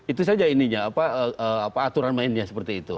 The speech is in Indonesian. itu saja ininya aturan mainnya seperti itu